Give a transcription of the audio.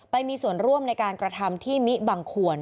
ไปมีส่วนร่วมในการกระทำที่มิบังควร